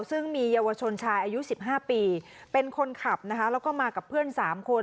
ซึ่งมีเยาวชนชายอายุ๑๕ปีเป็นคนขับนะคะแล้วก็มากับเพื่อน๓คน